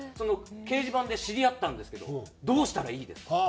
「掲示板で知り合ったんですけどどうしたらいいですか？」。